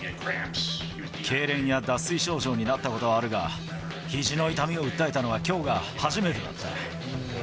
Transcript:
けいれんや脱水症状になったことはあるが、ひじの痛みを訴えたのはきょうが初めてだった。